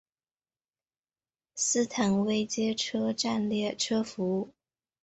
斯坦威街车站列车服务。